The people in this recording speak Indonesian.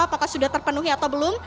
apakah sudah terpenuhi atau belum